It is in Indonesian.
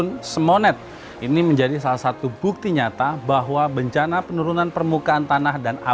pak joyo di sini itu masih bisa ditanamin melati